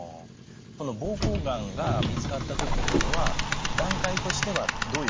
膀胱がんが見つかった時というのは段階としてはどういう段階？